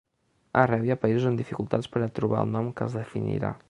Arreu hi ha països amb dificultats per a trobar el nom que els definirà.